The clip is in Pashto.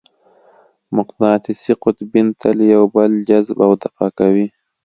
مقناطیسي قطبین تل یو بل جذب او دفع کوي.